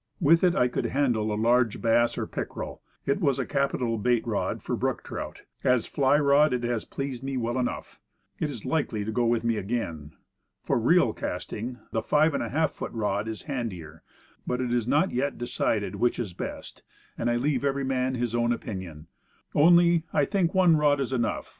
With it I could handle a large bass or pickerel; it was a capital bait rod for brook trout; as a fly rod it has pleased me well enough. It is likely to go with me again. But it is not yet decided which is best, and I leave every man his own opinion. Only, I think one rod enough.